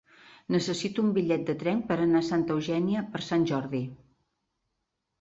Necessito un bitllet de tren per anar a Santa Eugènia per Sant Jordi.